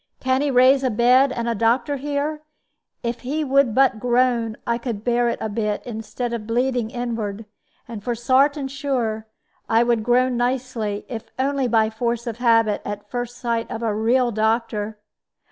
Can 'e raise a bed and a doctor here? If he would but groan, I could bear it a bit, instead of bleeding inward. And for sartin sure, a' would groan nicely, if only by force of habit, at first sight of a real doctor."